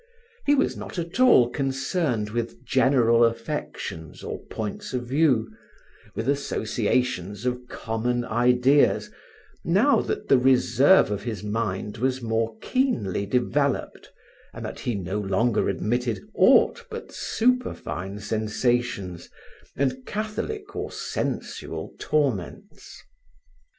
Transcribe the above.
He was not at all concerned with general affections or points of view, with associations of common ideas, now that the reserve of his mind was more keenly developed and that he no longer admitted aught but superfine sensations and catholic or sensual torments.